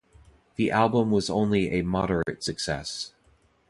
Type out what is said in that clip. The album was only a moderate success.